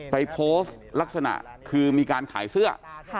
ไปโพสต์ลักษณะคือมีการขายเสื้อ